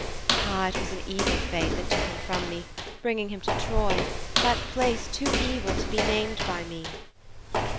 Ah, it was an evil fate that took him from me, bringing him to Troy, that place too evil to be named by me.'